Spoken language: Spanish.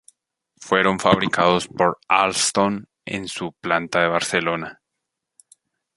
Fueron fabricados por Alstom en su planta de Barcelona.